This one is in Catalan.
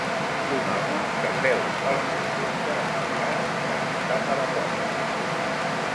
Un home s'asseu al seu cotxe, amb el braç reposat a la porta.